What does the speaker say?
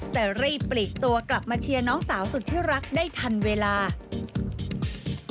แต่รีบปลีกตัวกลับมาเชียร์น้องสาวสุดที่รักได้ทันเวลา